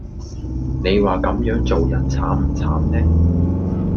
你話咁樣做人慘唔慘呢